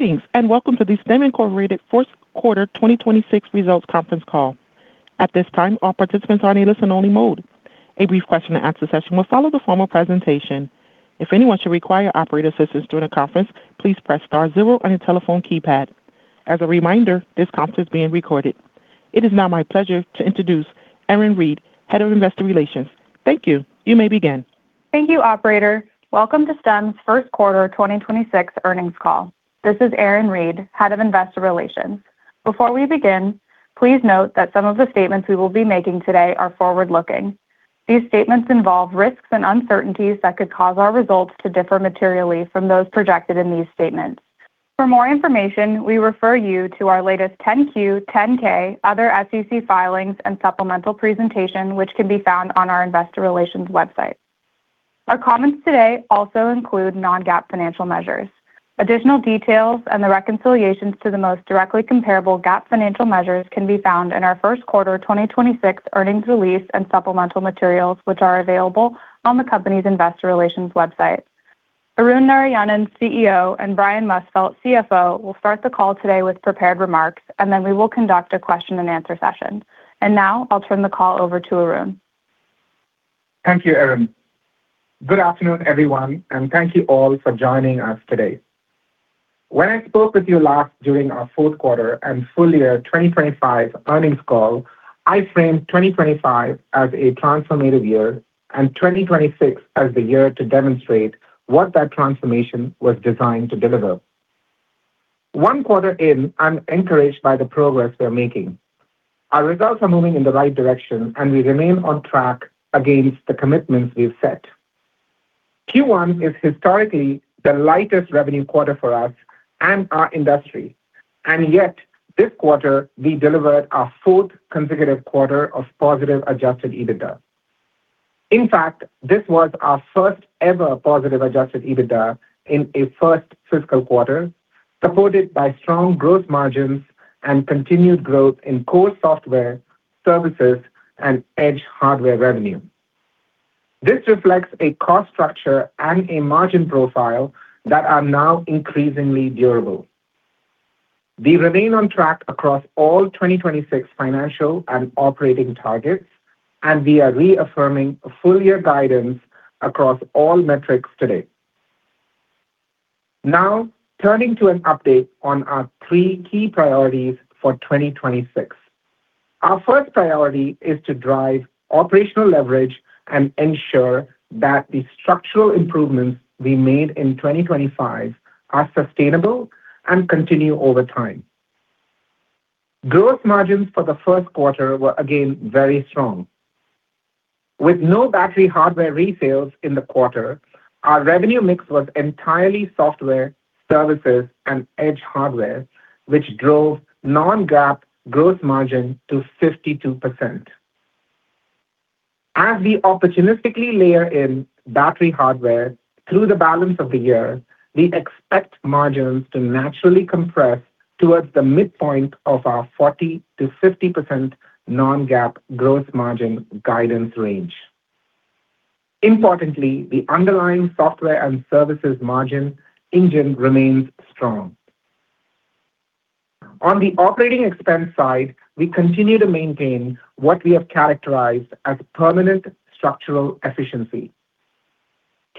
Greetings, welcome to the Stem, Inc. fourth quarter 2026 results conference call. It is now my pleasure to introduce Erin Reed, Head of Investor Relations. Thank you. You may begin. Thank you, operator. Welcome to Stem's first quarter 2026 earnings call. This is Erin Reed, Head of Investor Relations. Before we begin, please note that some of the statements we will be making today are forward-looking. These statements involve risks and uncertainties that could cause our results to differ materially from those projected in these statements. For more information, we refer you to our latest Form 10-Q, Form 10-K, other SEC filings and supplemental presentation, which can be found on our investor relations website. Our comments today also include non-GAAP financial measures. Additional details and the reconciliations to the most directly comparable GAAP financial measures can be found in our first quarter 2026 earnings release and supplemental materials, which are available on the company's investor relations website. Arun Narayanan, CEO, and Brian Musfeldt, CFO, will start the call today with prepared remarks, then we will conduct a question and answer session. Now I'll turn the call over to Arun. Thank you, Erin. Good afternoon, everyone, and thank you all for joining us today. When I spoke with you last during our fourth quarter and full year 2025 earnings call, I framed 2025 as a transformative year and 2026 as the year to demonstrate what that transformation was designed to deliver. One quarter in, I'm encouraged by the progress we're making. Our results are moving in the right direction, and we remain on track against the commitments we've set. Q1 is historically the lightest revenue quarter for us and our industry, and yet this quarter we delivered our fourth consecutive quarter of positive adjusted EBITDA. In fact, this was our first ever positive adjusted EBITDA in a first fiscal quarter, supported by strong gross margins and continued growth in core software services and edge hardware revenue. This reflects a cost structure and a margin profile that are now increasingly durable. We remain on track across all 2026 financial and operating targets, and we are reaffirming full year guidance across all metrics today. Now, turning to an update on our three key priorities for 2026. Our first priority is to drive operational leverage and ensure that the structural improvements we made in 2025 are sustainable and continue over time. Gross margins for the first quarter were again very strong. With no battery hardware resales in the quarter, our revenue mix was entirely software services and edge hardware, which drove non-GAAP gross margin to 52%. As we opportunistically layer in battery hardware through the balance of the year, we expect margins to naturally compress towards the midpoint of our 40%-50% non-GAAP gross margin guidance range. Importantly, the underlying software and services margin engine remains strong. On the operating expense side, we continue to maintain what we have characterized as permanent structural efficiency.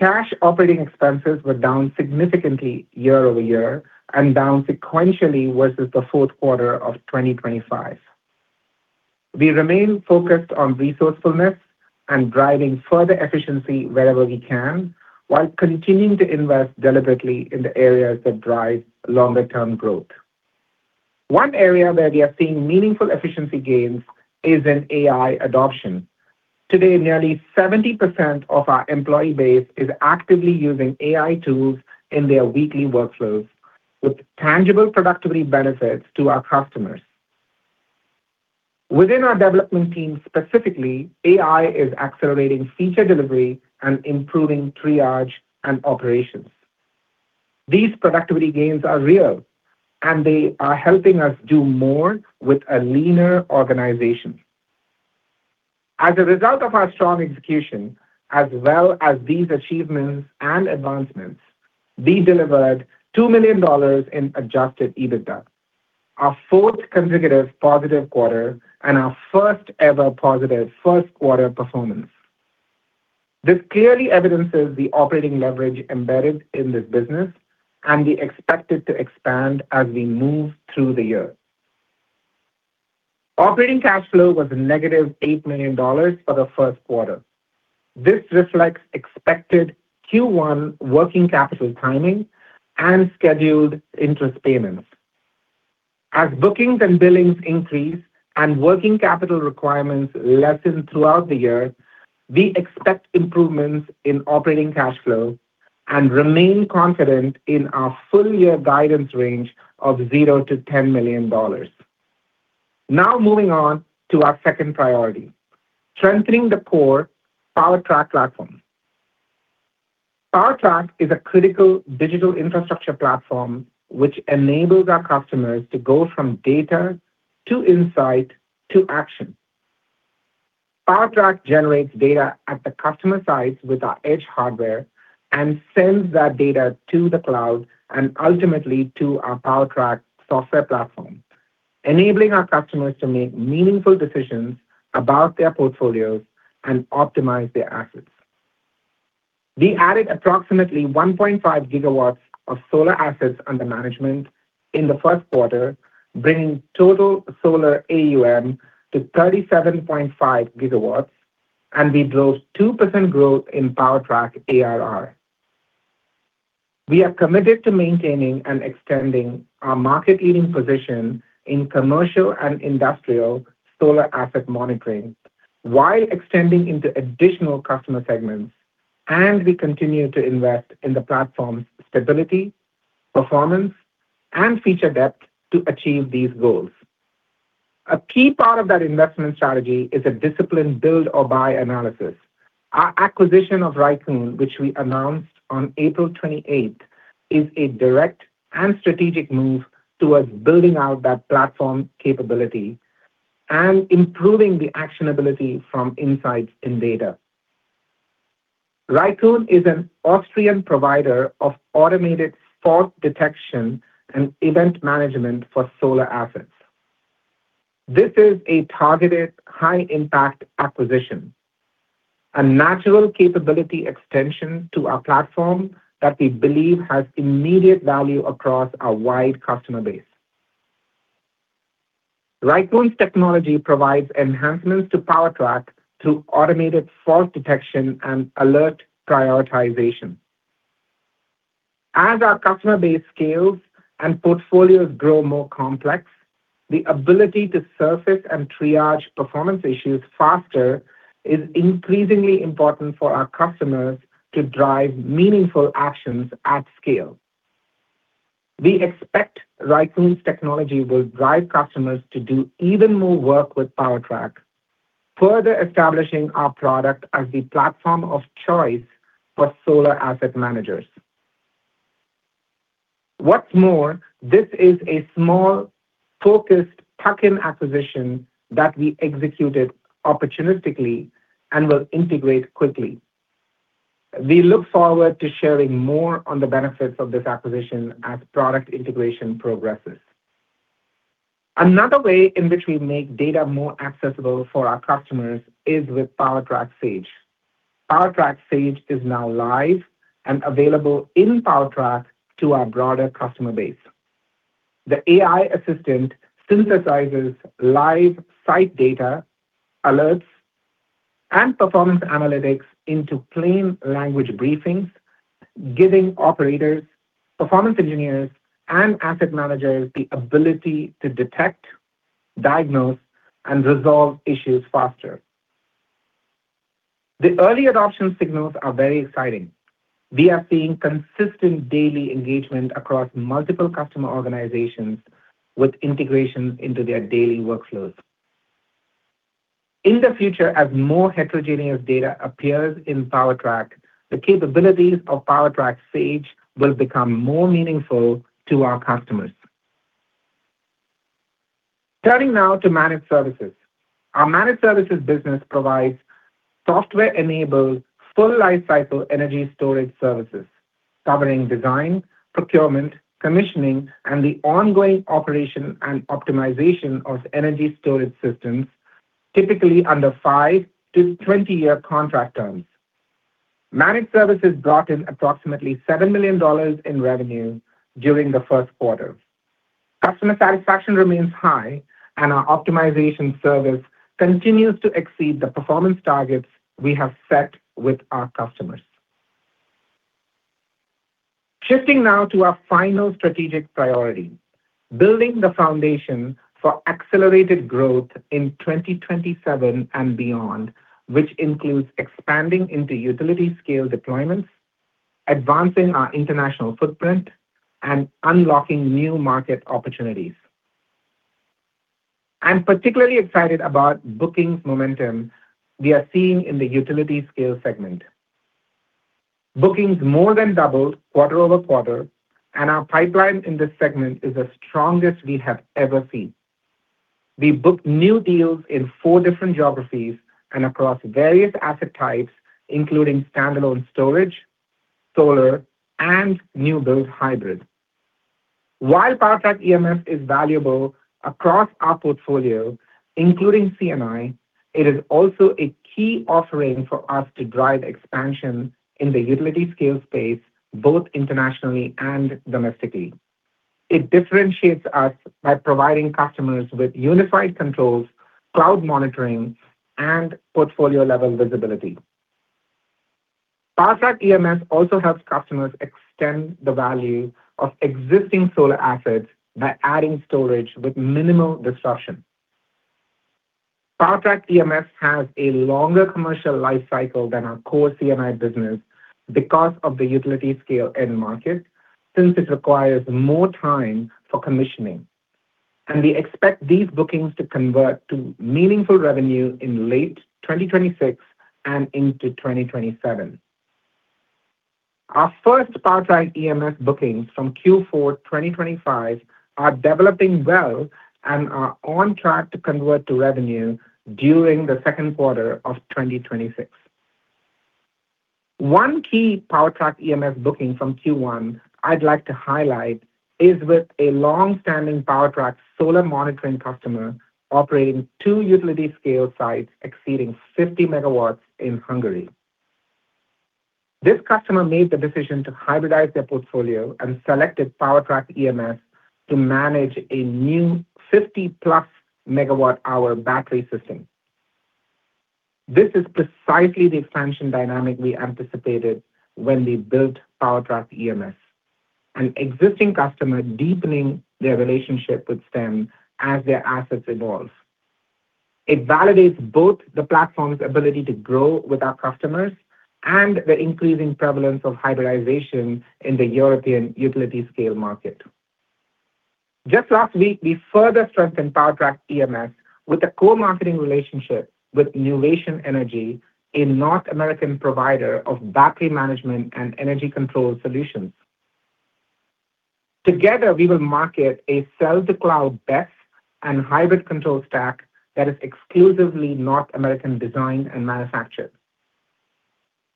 Cash operating expenses were down significantly year-over-year and down sequentially versus the fourth quarter of 2025. We remain focused on resourcefulness and driving further efficiency wherever we can, while continuing to invest deliberately in the areas that drive longer-term growth. One area where we are seeing meaningful efficiency gains is in AI adoption. Today, nearly 70% of our employee base is actively using AI tools in their weekly workflows with tangible productivity benefits to our customers. Within our development team specifically, AI is accelerating feature delivery and improving triage and operations. These productivity gains are real, and they are helping us do more with a leaner organization. As a result of our strong execution, as well as these achievements and advancements, we delivered $2 million in adjusted EBITDA, our fourth consecutive positive quarter and our first ever positive first quarter performance. This clearly evidences the operating leverage embedded in this business, and we expect it to expand as we move through the year. Operating cash flow was negative $8 million for the first quarter. This reflects expected Q1 working capital timing and scheduled interest payments. Bookings and billings increase and working capital requirements lessen throughout the year, we expect improvements in operating cash flow and remain confident in our full year guidance range of $0-$10 million. Moving on to our second priority: strengthening the core PowerTrack platform. PowerTrack is a critical digital infrastructure platform which enables our customers to go from data to insight to action. PowerTrack generates data at the customer sites with our Edge hardware and sends that data to the cloud and ultimately to our PowerTrack software platform, enabling our customers to make meaningful decisions about their portfolios and optimize their assets. We added approximately 1.5 GW of solar assets under management in the first quarter, bringing total solar AUM to 37.5 GW, and we drove 2% growth in PowerTrack ARR. We are committed to maintaining and extending our market-leading position in commercial and industrial solar asset monitoring while extending into additional customer segments, and we continue to invest in the platform's stability, performance, and feature depth to achieve these goals. A key part of that investment strategy is a disciplined build or buy analysis. Our acquisition of raicoon, which we announced on April 28th, is a direct and strategic move towards building out that platform capability and improving the actionability from insights in data. raicoon is an Austrian provider of automated fault detection and event management for solar assets. This is a targeted high-impact acquisition, a natural capability extension to our platform that we believe has immediate value across our wide customer base. raicoon's technology provides enhancements to PowerTrack through automated fault detection and alert prioritization. As our customer base scales and portfolios grow more complex, the ability to surface and triage performance issues faster is increasingly important for our customers to drive meaningful actions at scale. We expect raicoon's technology will drive customers to do even more work with PowerTrack, further establishing our product as the platform of choice for solar asset managers. What's more, this is a small, focused tuck-in acquisition that we executed opportunistically and will integrate quickly. We look forward to sharing more on the benefits of this acquisition as product integration progresses. Another way in which we make data more accessible for our customers is with PowerTrack Sage. PowerTrack Sage is now live and available in PowerTrack to our broader customer base. The AI assistant synthesizes live site data, alerts, and performance analytics into plain language briefings, giving operators, performance engineers, and asset managers the ability to detect, diagnose, and resolve issues faster. The early adoption signals are very exciting. We are seeing consistent daily engagement across multiple customer organizations with integrations into their daily workflows. In the future, as more heterogeneous data appears in PowerTrack, the capabilities of PowerTrack Sage will become more meaningful to our customers. Turning now to Managed Services. Our Managed Services business provides software-enabled full lifecycle energy storage services, covering design, procurement, commissioning, and the ongoing operation and optimization of energy storage systems, typically under five to 20-year contract terms. Managed Services brought in approximately $7 million in revenue during the first quarter. Customer satisfaction remains high, and our optimization service continues to exceed the performance targets we have set with our customers. Shifting now to our final strategic priority, building the foundation for accelerated growth in 2027 and beyond, which includes expanding into utility scale deployments, advancing our international footprint, and unlocking new market opportunities. I'm particularly excited about bookings momentum we are seeing in the utility scale segment. Bookings more than doubled quarter-over-quarter, and our pipeline in this segment is the strongest we have ever seen. We booked new deals in four different geographies and across various asset types, including standalone storage, solar, and new build hybrid. While PowerTrack EMS is valuable across our portfolio, including C&I, it is also a key offering for us to drive expansion in the utility scale space, both internationally and domestically. It differentiates us by providing customers with unified controls, cloud monitoring, and portfolio-level visibility. PowerTrack EMS also helps customers extend the value of existing solar assets by adding storage with minimal disruption. PowerTrack EMS has a longer commercial life cycle than our core C&I business because of the utility scale end market, since it requires more time for commissioning, and we expect these bookings to convert to meaningful revenue in late 2026 and into 2027. Our first PowerTrack EMS bookings from Q4 2025 are developing well and are on track to convert to revenue during the second quarter of 2026. One key PowerTrack EMS booking from Q1 I'd like to highlight is with a long-standing PowerTrack solar monitoring customer operating two utility scale sites exceeding 50 MW in Hungary. This customer made the decision to hybridize their portfolio and selected PowerTrack EMS to manage a new 50-plus MWh battery system. This is precisely the expansion dynamic we anticipated when we built PowerTrack EMS. An existing customer deepening their relationship with Stem as their assets evolve. It validates both the platform's ability to grow with our customers and the increasing prevalence of hybridization in the European utility scale market. Just last week, we further strengthened PowerTrack EMS with a co-marketing relationship with Nuvation Energy, a North American provider of battery management and energy control solutions. Together, we will market a cell-to-cloud BESS and hybrid control stack that is exclusively North American designed and manufactured.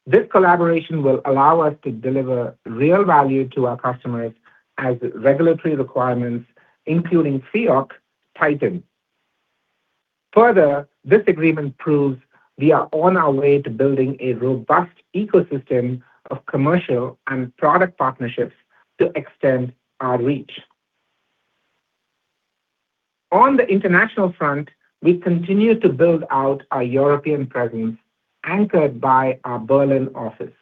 This collaboration will allow us to deliver real value to our customers as regulatory requirements, including FEOC, tighten. Further, this agreement proves we are on our way to building a robust ecosystem of commercial and product partnerships to extend our reach. On the international front, we continue to build out our European presence anchored by our Berlin office.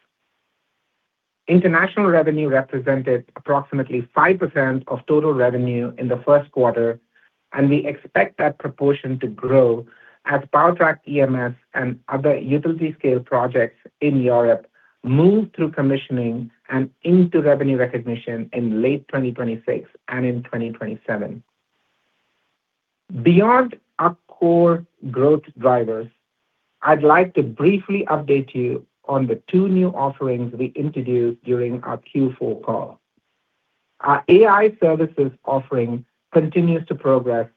International revenue represented approximately 5% of total revenue in the first quarter. We expect that proportion to grow as PowerTrack EMS and other utility scale projects in Europe move through commissioning and into revenue recognition in late 2026 and in 2027. Beyond our core growth drivers, I'd like to briefly update you on the two new offerings we introduced during our Q4 call. Our AI services offering continues to progress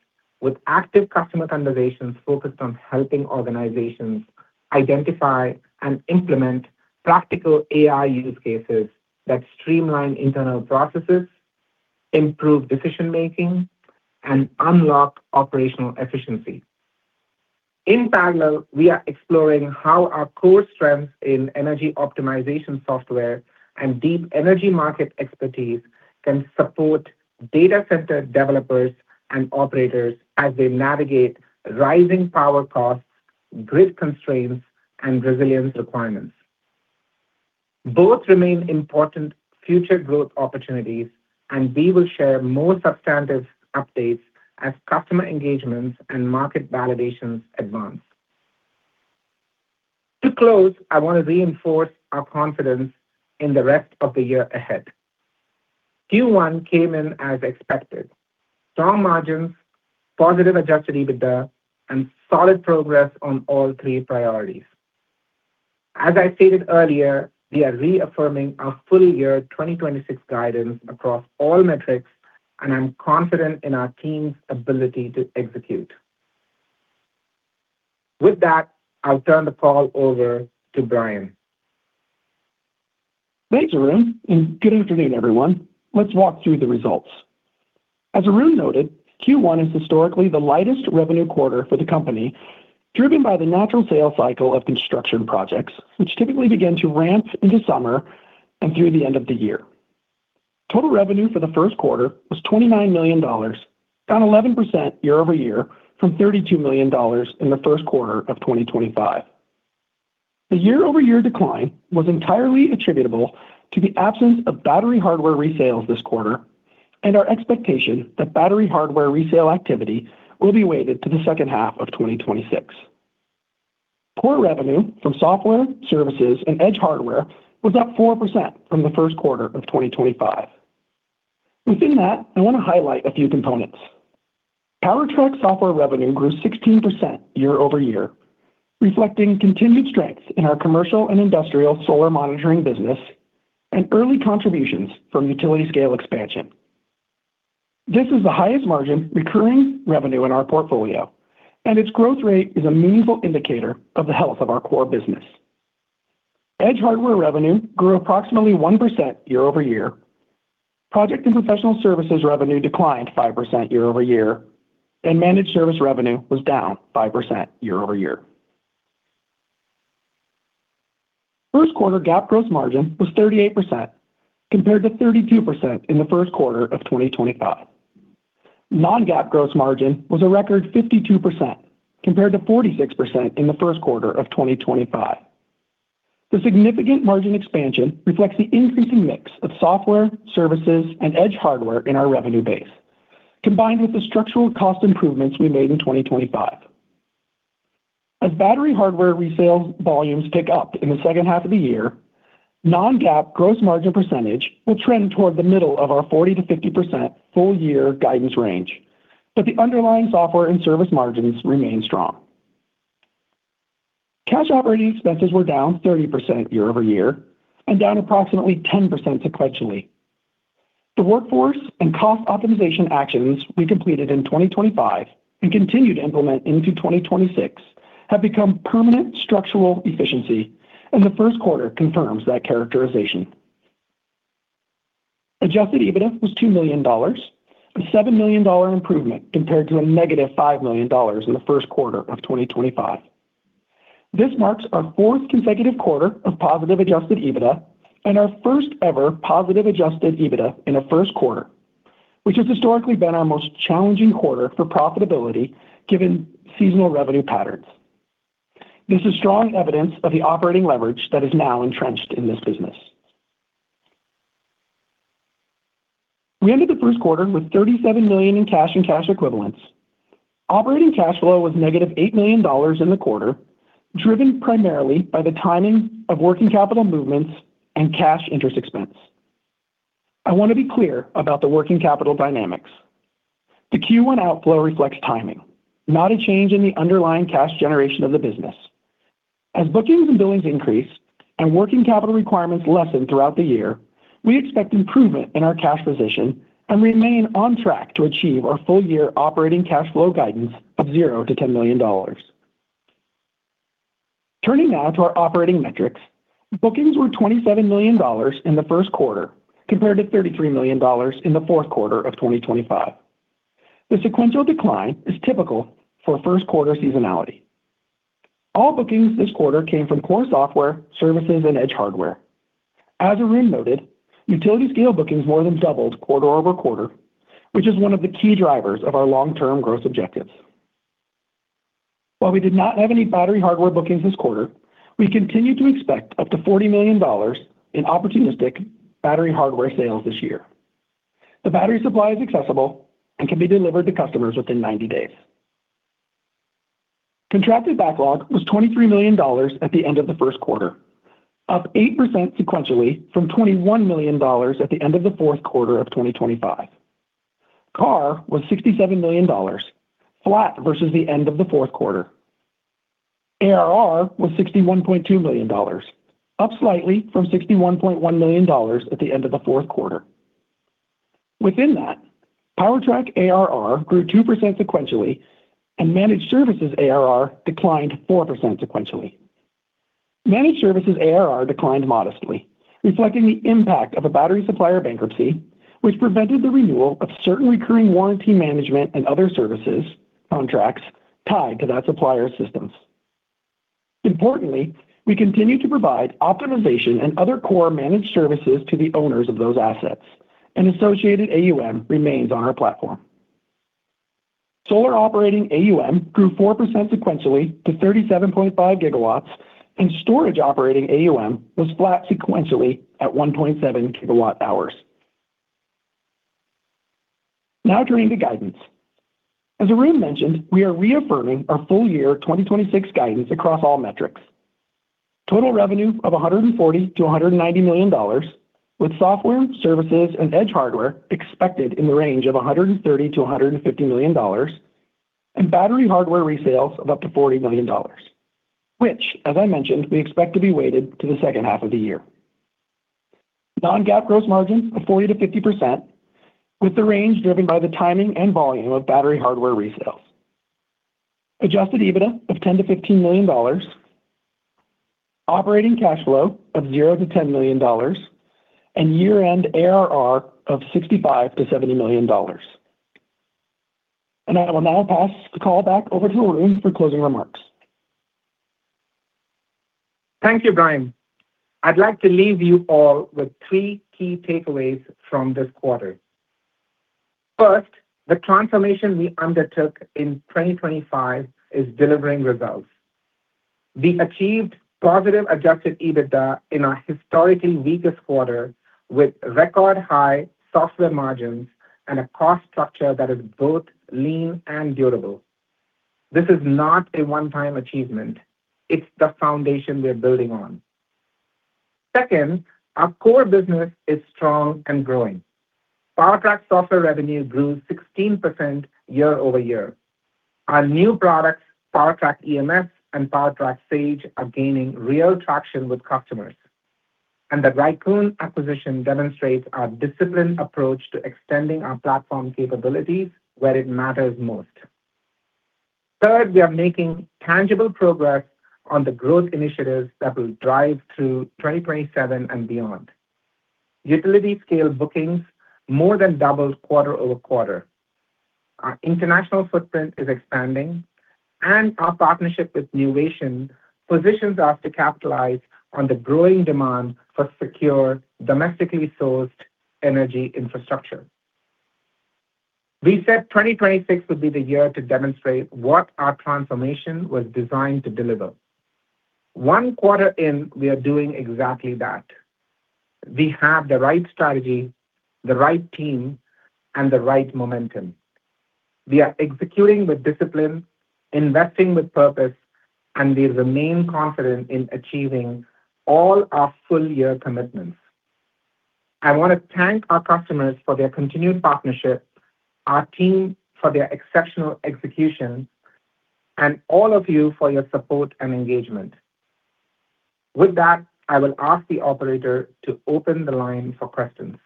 with active customer conversations focused on helping organizations identify and implement practical AI use cases that streamline internal processes, improve decision making, and unlock operational efficiency. In parallel, we are exploring how our core strengths in energy optimization software and deep energy market expertise can support data center developers and operators as they navigate rising power costs, grid constraints, and resilience requirements. We will share more substantive updates as customer engagements and market validations advance. To close, I want to reinforce our confidence in the rest of the year ahead. Q1 came in as expected. Strong margins, positive adjusted EBITDA, and solid progress on all three priorities. As I stated earlier, we are reaffirming our full year 2026 guidance across all metrics. I'm confident in our team's ability to execute. With that, I'll turn the call over to Brian. Thanks, Arun, and good afternoon, everyone. Let's walk through the results. As Arun noted, Q1 is historically the lightest revenue quarter for the company, driven by the natural sales cycle of construction projects, which typically begin to ramp into summer and through the end of the year. Total revenue for the first quarter was $29 million, down 11% year-over-year from $32 million in the first quarter of 2025. The year-over-year decline was entirely attributable to the absence of battery hardware resales this quarter and our expectation that battery hardware resale activity will be weighted to the second half of 2026. Core revenue from software, services, and edge hardware was up 4% from the first quarter of 2025. Within that, I want to highlight a few components. PowerTrack software revenue grew 16% year-over-year, reflecting continued strength in our commercial and industrial solar monitoring business and early contributions from utility scale expansion. This is the highest margin recurring revenue in our portfolio, and its growth rate is a meaningful indicator of the health of our core business. Edge hardware revenue grew approximately 1% year-over-year. Project and professional services revenue declined 5% year-over-year, and managed service revenue was down 5% year-over-year. First quarter GAAP gross margin was 38%, compared to 32% in the first quarter of 2025. Non-GAAP gross margin was a record 52%, compared to 46% in the first quarter of 2025. The significant margin expansion reflects the increasing mix of software, services, and edge hardware in our revenue base, combined with the structural cost improvements we made in 2025. As battery hardware resale volumes pick up in the second half of the year, non-GAAP gross margin percentage will trend toward the middle of our 40%-50% full year guidance range, but the underlying software and service margins remain strong. Cash operating expenses were down 30% year-over-year and down approximately 10% sequentially. The workforce and cost optimization actions we completed in 2025 and continue to implement into 2026 have become permanent structural efficiency, and the first quarter confirms that characterization. Adjusted EBITDA was $2 million, a $7 million improvement compared to a negative $5 million in the first quarter of 2025. This marks our 4th consecutive quarter of positive adjusted EBITDA and our 1st ever positive adjusted EBITDA in the 1st quarter, which has historically been our most challenging quarter for profitability, given seasonal revenue patterns. This is strong evidence of the operating leverage that is now entrenched in this business. We ended the 1st quarter with $37 million in cash and cash equivalents. Operating cash flow was negative $8 million in the quarter, driven primarily by the timing of working capital movements and cash interest expense. I want to be clear about the working capital dynamics. The Q1 outflow reflects timing, not a change in the underlying cash generation of the business. As bookings and billings increase and working capital requirements lessen throughout the year, we expect improvement in our cash position and remain on track to achieve our full year operating cash flow guidance of $0-$10 million. Turning now to our operating metrics. Bookings were $27 million in the first quarter, compared to $33 million in the fourth quarter of 2025. The sequential decline is typical for first quarter seasonality. All bookings this quarter came from core software, services, and edge hardware. As Arun noted, utility scale bookings more than doubled quarter-over-quarter, which is one of the key drivers of our long-term growth objectives. While we did not have any battery hardware bookings this quarter, we continue to expect up to $40 million in opportunistic battery hardware sales this year. The battery supply is accessible and can be delivered to customers within 90 days. Contracted backlog was $23 million at the end of the first quarter, up 8% sequentially from $21 million at the end of the fourth quarter of 2025. CARR was $67 million, flat versus the end of the fourth quarter. ARR was $61.2 million, up slightly from $61.1 million at the end of the fourth quarter. Within that, PowerTrack ARR grew 2% sequentially and Managed Services ARR declined 4% sequentially. Managed Services ARR declined modestly, reflecting the impact of a battery supplier bankruptcy, which prevented the renewal of certain recurring warranty management and other services contracts tied to that supplier's systems. Importantly, we continue to provide optimization and other core managed services to the owners of those assets, and associated AUM remains on our platform. Solar operating AUM grew 4% sequentially to 37.5 GW, and storage operating AUM was flat sequentially at 1.7 GW hours. Now turning to guidance. As Arun mentioned, we are reaffirming our full year 2026 guidance across all metrics. Total revenue of $140 million-$190 million, with software, services, and edge hardware expected in the range of $130 million-$150 million, and battery hardware resales of up to $40 million, which as I mentioned, we expect to be weighted to the second half of the year. Non-GAAP gross margins of 40%-50%, with the range driven by the timing and volume of battery hardware resales. Adjusted EBITDA of $10 million-$15 million, operating cash flow of $0-$10 million, year-end ARR of $65 million-$70 million. I will now pass the call back over to Arun for closing remarks. Thank you, Brian. I'd like to leave you all with THREE key takeaways from this quarter. First, the transformation we undertook in 2025 is delivering results. We achieved positive adjusted EBITDA in our historically weakest quarter with record high software margins and a cost structure that is both lean and durable. This is not a one-time achievement. It's the foundation we're building on. Second, our core business is strong and growing. PowerTrack software revenue grew 16% year-over-year. Our new products, PowerTrack EMS and PowerTrack Sage, are gaining real traction with customers. The raicoon acquisition demonstrates our disciplined approach to extending our platform capabilities where it matters most. Third, we are making tangible progress on the growth initiatives that will drive through 2027 and beyond. Utility scale bookings more than doubled quarter-over-quarter. Our international footprint is expanding, and our partnership with Nuvation positions us to capitalize on the growing demand for secure, domestically sourced energy infrastructure. We said 2026 would be the year to demonstrate what our transformation was designed to deliver. 1 quarter in, we are doing exactly that. We have the right strategy, the right team, and the right momentum. We are executing with discipline, investing with purpose, and we remain confident in achieving all our full year commitments. I want to thank our customers for their continued partnership, our team for their exceptional execution, and all of you for your support and engagement. With that, I will ask the operator to open the line for questions.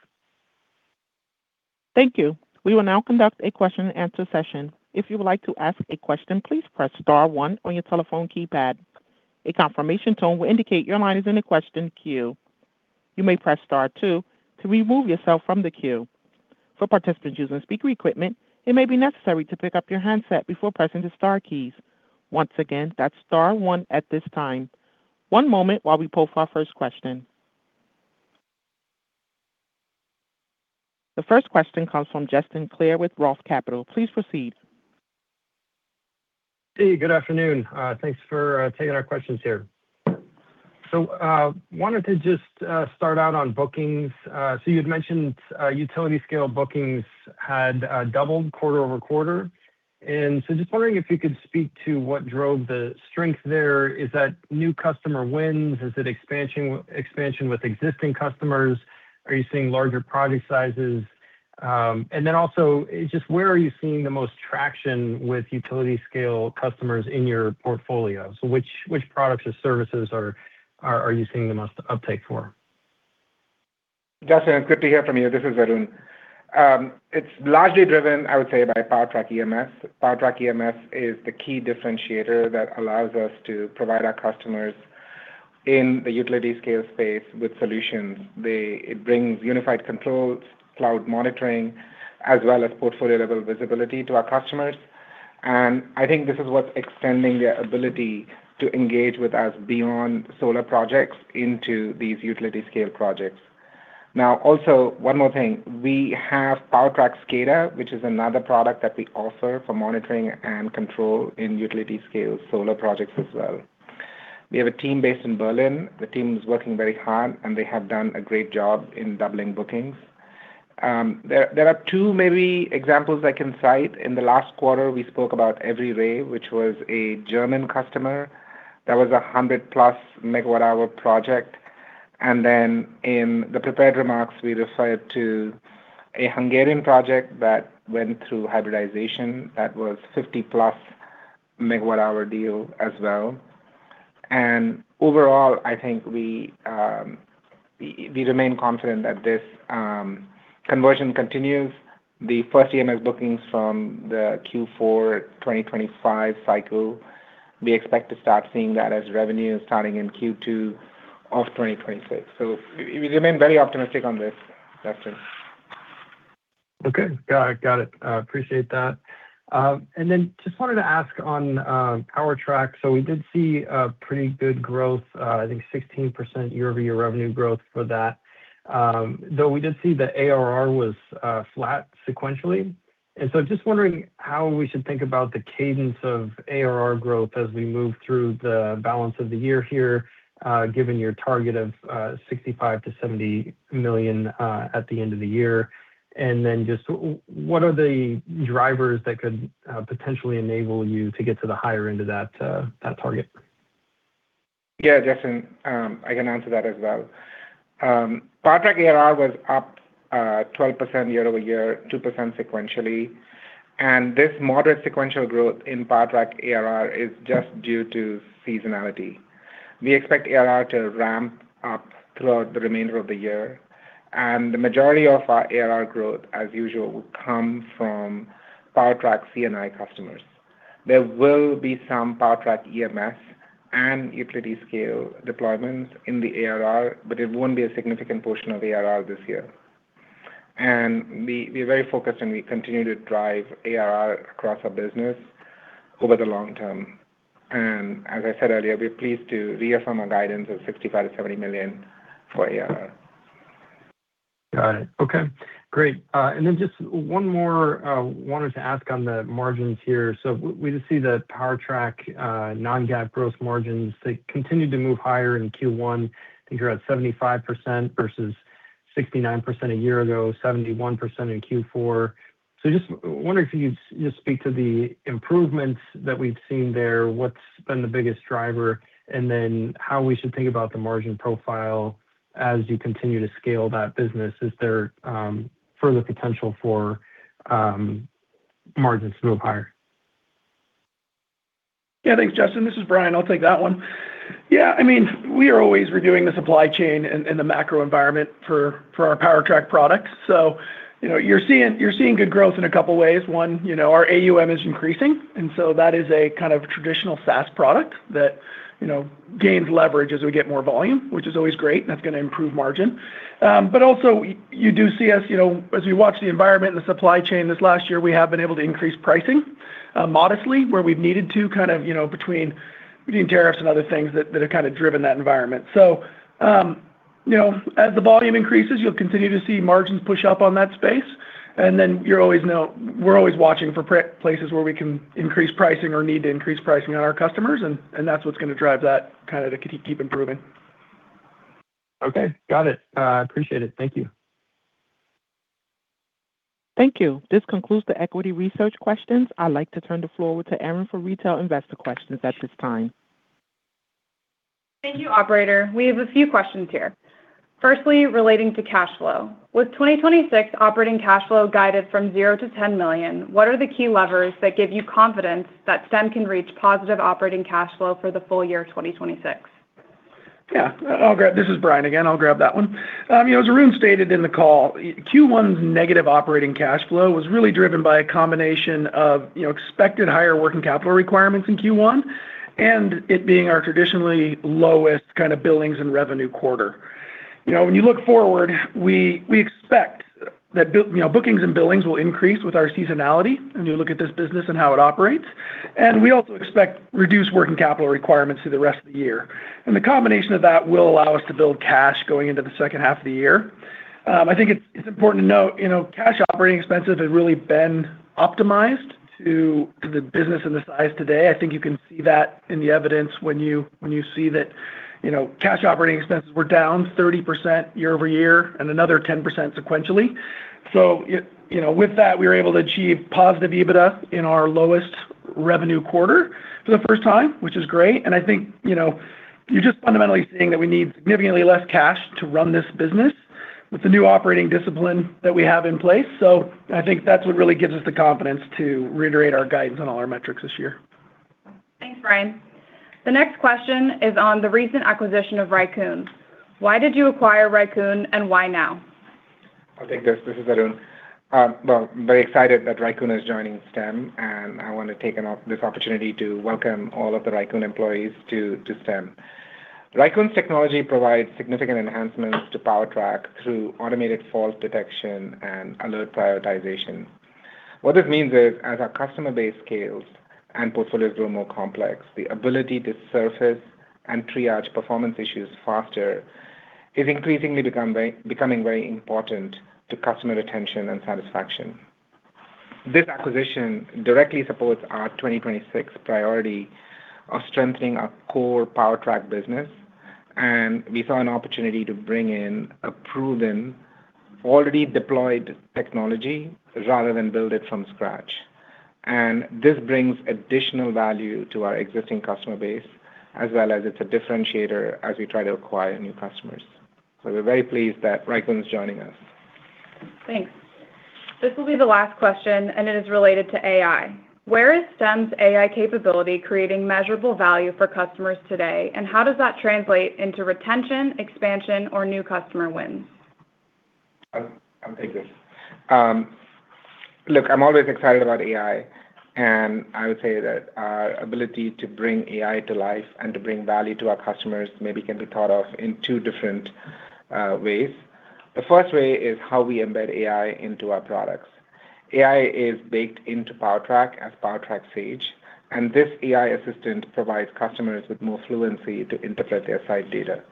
Thank you. We will now conduct a question and answer session. One moment while we pull for our first question. The first question comes from Justin Clare with ROTH Capital. Please proceed. Hey, good afternoon. Thanks for taking our questions here. Wanted to just start out on bookings. You had mentioned utility scale bookings had doubled quarter-over-quarter. Just wondering if you could speak to what drove the strength there. Is that new customer wins? Is it expansion with existing customers? Are you seeing larger project sizes? And then also, just where are you seeing the most traction with utility scale customers in your portfolio? Which products or services are you seeing the most uptake for? Justin, it's good to hear from you. This is Arun. It's largely driven, I would say, by PowerTrack EMS. PowerTrack EMS is the key differentiator that allows us to provide our customers in the utility scale space with solutions. It brings unified controls, cloud monitoring, as well as portfolio-level visibility to our customers. I think this is what's extending their ability to engage with us beyond solar projects into these utility scale projects. Also, one more thing. We have PowerTrack SCADA, which is another product that we offer for monitoring and control in utility scale solar projects as well. We have a team based in Berlin. The team is working very hard, they have done a great job in doubling bookings. There are two maybe examples I can cite. In the last quarter, we spoke about Enery, which was a German customer. That was a 100-plus megawatt-hour project. In the prepared remarks, we referred to a Hungarian project that went through hybridization that was a 50-plus megawatt-hour deal as well. Overall, I think we remain confident that this conversion continues. The first EMS bookings from the Q4 2025 cycle, we expect to start seeing that as revenue starting in Q2 of 2026. We remain very optimistic on this, Justin. Okay. Got it. Appreciate that. Just wanted to ask on PowerTrack. We did see pretty good growth, I think 16% year-over-year revenue growth for that. Though we did see the ARR was flat sequentially. Just wondering how we should think about the cadence of ARR growth as we move through the balance of the year here, given your target of $65 million-$70 million at the end of the year. Just what are the drivers that could potentially enable you to get to the higher end of that target? Yeah, Justin, I can answer that as well. PowerTrack ARR was up 12% year-over-year, 2% sequentially. This moderate sequential growth in PowerTrack ARR is just due to seasonality. We expect ARR to ramp up throughout the remainder of the year, the majority of our ARR growth, as usual, will come from PowerTrack C&I customers. There will be some PowerTrack EMS and utility scale deployments in the ARR, it won't be a significant portion of ARR this year. We're very focused, we continue to drive ARR across our business over the long term. As I said earlier, we're pleased to reaffirm our guidance of $65 million-$70 million for ARR. Got it. Okay. Great. And then just one more, wanted to ask on the margins here. We just see the PowerTrack, non-GAAP gross margins, they continued to move higher in Q1. I think you're at 75% versus 69% a year ago, 71% in Q4. Just wondering if you'd just speak to the improvements that we've seen there, what's been the biggest driver, and then how we should think about the margin profile as you continue to scale that business. Is there further potential for margins to move higher? Yeah, thanks, Justin. This is Brian. I'll take that one. Yeah, I mean, we are always reviewing the supply chain and the macro environment for our PowerTrack products. You know, you're seeing good growth in a couple ways. One, you know, our AUM is increasing, that is a kind of traditional SaaS product that, you know, gains leverage as we get more volume, which is always great, that's going to improve margin. Also you do see us, you know, as we watch the environment and the supply chain this last year, we have been able to increase pricing, modestly where we've needed to kind of, you know, between tariffs and other things that have kind of driven that environment. You know, as the volume increases, you'll continue to see margins push up on that space. You know, we're always watching for places where we can increase pricing or need to increase pricing on our customers, and that's what's going to drive that kind of to keep improving. Okay. Got it. Appreciate it. Thank you. Thank you. This concludes the equity research questions. I'd like to turn the floor over to Erin for retail investor questions at this time. Thank you, operator. We have a few questions here. Firstly, relating to cash flow. With 2026 operating cash flow guided from $0-$10 million, what are the key levers that give you confidence that Stem can reach positive operating cash flow for the full year 2026? Yeah. I'll grab This is Brian again. I'll grab that one. You know, as Arun stated in the call, Q1's negative operating cash flow was really driven by a combination of, you know, expected higher working capital requirements in Q1 and it being our traditionally lowest kind of billings and revenue quarter. You know, when you look forward, we expect that you know, bookings and billings will increase with our seasonality when you look at this business and how it operates. We also expect reduced working capital requirements through the rest of the year. The combination of that will allow us to build cash going into the second half of the year. I think it's important to note, you know, cash operating expenses have really been optimized to the business and the size today. I think you can see that in the evidence when you, when you see that, you know, cash operating expenses were down 30% year-over-year and another 10% sequentially. You know, with that, we were able to achieve positive EBITDA in our lowest revenue quarter for the first time, which is great. I think, you know, you're just fundamentally seeing that we need significantly less cash to run this business with the new operating discipline that we have in place. I think that's what really gives us the confidence to reiterate our guidance on all our metrics this year. Thanks, Brian. The next question is on the recent acquisition of raicoon. Why did you acquire raicoon, and why now? I'll take this. This is Arun. Well, very excited that raicoon is joining Stem, and I want to take this opportunity to welcome all of the raicoon employees to Stem. raicoon's technology provides significant enhancements to PowerTrack through automated fault detection and alert prioritization. What this means is, as our customer base scales and portfolios grow more complex, the ability to surface and triage performance issues faster is increasingly becoming very important to customer retention and satisfaction. This acquisition directly supports our 2026 priority of strengthening our core PowerTrack business. We saw an opportunity to bring in a proven, already deployed technology rather than build it from scratch. This brings additional value to our existing customer base, as well as it's a differentiator as we try to acquire new customers. We're very pleased that raicoon is joining us. Thanks. This will be the last question, and it is related to AI. Where is Stem's AI capability creating measurable value for customers today, and how does that translate into retention, expansion, or new customer wins? I'll take this. Look, I'm always excited about AI, and I would say that our ability to bring AI to life and to bring value to our customers maybe can be thought of in two different ways. The first way is how we embed AI into our products. AI is baked into PowerTrack as PowerTrack Sage, and this AI assistant provides customers with more fluency to interpret their site data.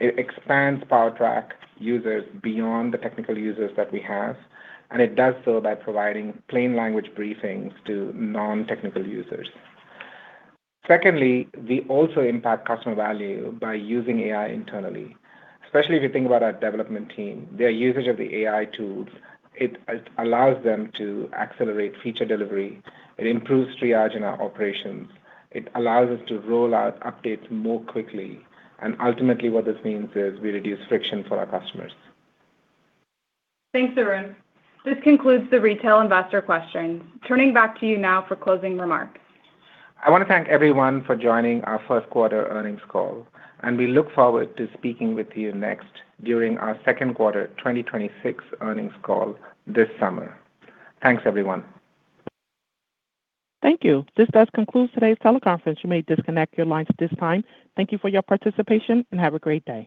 It expands PowerTrack users beyond the technical users that we have, and it does so by providing plain language briefings to non-technical users. Secondly, we also impact customer value by using AI internally, especially if you think about our development team. Their usage of the AI tools, it allows them to accelerate feature delivery. It improves triage in our operations. It allows us to roll out updates more quickly. Ultimately, what this means is we reduce friction for our customers. Thanks, Arun. This concludes the retail investor questions. Turning back to you now for closing remarks. I wanna thank everyone for joining our first quarter earnings call, and we look forward to speaking with you next during our second quarter 2026 earnings call this summer. Thanks, everyone. Thank you. This does conclude today's teleconference. You may disconnect your lines at this time. Thank you for your participation, and have a great day.